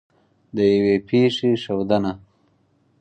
د یوې پېښې ښودنه